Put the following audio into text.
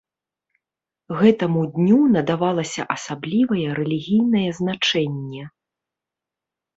Гэтаму дню надавалася асаблівае рэлігійнае значэнне.